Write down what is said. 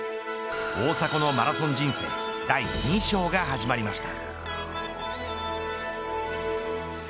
大迫のマラソン人生第２章が始まりました。